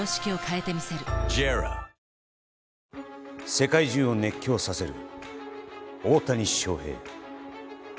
世界中を熱狂させる大谷翔平。